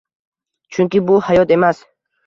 Chunki bu hayot emas.